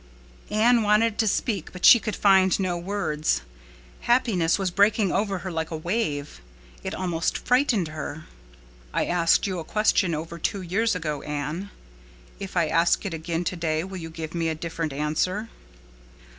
_" Anne wanted to speak but she could find no words. Happiness was breaking over her like a wave. It almost frightened her. "I asked you a question over two years ago, Anne. If I ask it again today will you give me a different answer?"